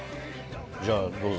じゃあどうぞ。